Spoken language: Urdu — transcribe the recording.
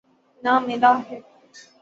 نہ ملاح ہے۔